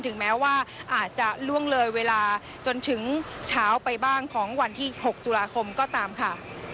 ถึงแม้ว่าอาจจะล่วงเลยเวลาจนถึงเช้าไปบ้างของวันที่๖ตุลาคมก็ตามค่ะ